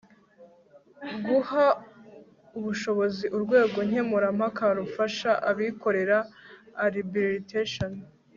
guha ubushobozi urwego nkemurampaka rufasha abikorera (arbritation